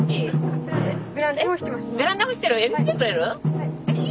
はい。